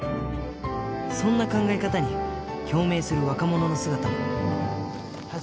そんな考え方に共鳴する若者の姿も。